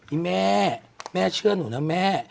แม่แม่เชื่อหนูนะแม่